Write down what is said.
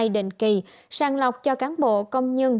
định kỳ sàng lọc cho cán bộ công nhân